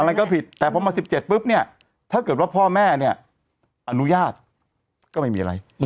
อะไรก็ผิดแต่พอมา๑๗ปุ๊บเนี่ยถ้าเกิดว่าพ่อแม่เนี่ยอนุญาตก็ไม่มีอะไร